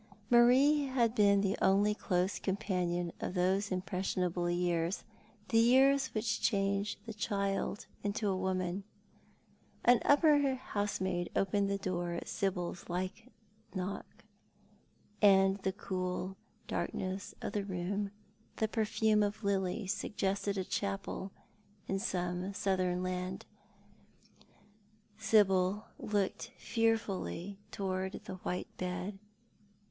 Marie had been the only close comi^anion of those impres sionable years — the years which change the child into a woman. An upper housemaid opened the door at Sibyl's light knock, and the cool darkness of the room, the perfume of lilies sug gested a chapel in some southern land. Sibyl looked fearfully towards the white bed.